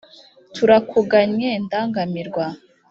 turakugannye ndangamirwa,